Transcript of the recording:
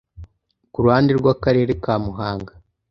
Ku ruhande rw’Akarere ka Muhanga